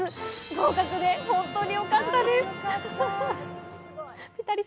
合格で本当によかったです